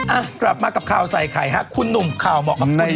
อ่ะกลับมากับข่าวใส่ไข่ฮะคุณหนุ่มข่าวเหมาะกับใคร